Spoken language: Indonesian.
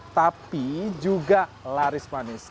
tapi juga laris manis